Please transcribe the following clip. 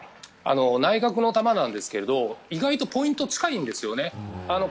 内角の球なんですけど意外とポイントが近いんです。